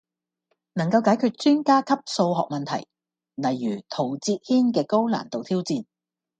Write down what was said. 能夠解決專家級數學問題，例如陶哲軒嘅高難度挑戰